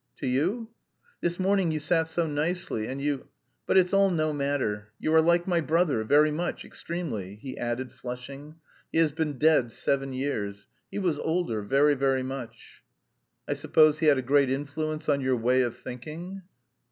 "To you? This morning you sat so nicely and you... but it's all no matter... you are like my brother, very much, extremely," he added, flushing. "He has been dead seven years. He was older, very, very much." "I suppose he had a great influence on your way of thinking?"